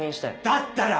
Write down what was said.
だったら！